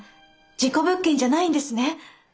事故物件じゃないんですね。